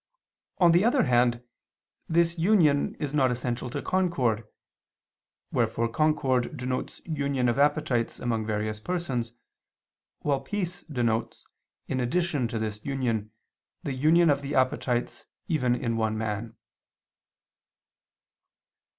On the other hand this union is not essential to concord: wherefore concord denotes union of appetites among various persons, while peace denotes, in addition to this union, the union of the appetites even in one man.